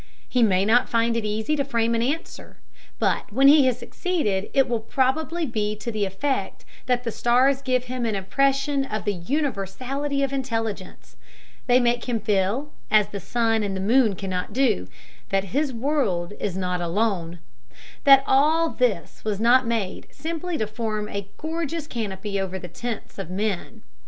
He may not find it easy to frame an answer, but when he has succeeded it will probably be to the effect that the stars give him an impression of the universality of intelligence; they make him feel, as the sun and the moon cannot do, that his world is not alone; that all this was not made simply to form a gorgeous canopy over the tents of men.